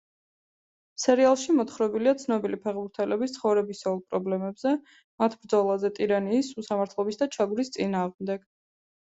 სერიალში მოთხრობილია ცნობილი ფეხბურთელების ცხოვრებისეულ პრობლემებზე, მათ ბრძოლაზე ტირანიის, უსამართლობის და ჩაგვრის წინააღმდეგ.